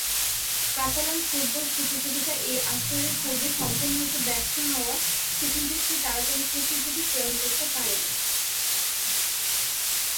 Catalan football প্রতিযোগিতা এই আসরের পূর্বে সম্পন্ন হতে ব্যর্থ হওয়া সেখান থেকে তারা কোন প্রতিযোগী প্রেরণ করতে পারেনি।